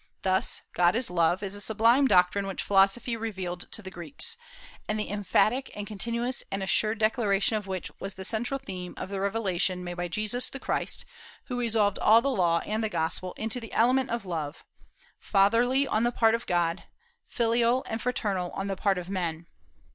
Thus "God is love" is a sublime doctrine which philosophy revealed to the Greeks, and the emphatic and continuous and assured declaration of which was the central theme of the revelation made by Jesus, the Christ, who resolved all the Law and the Gospel into the element of Love, fatherly on the part of God, filial and fraternal on the part of men.